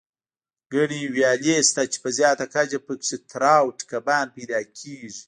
ګڼې ویالې شته، چې په زیاته کچه پکې تراوټ کبان پیدا کېږي.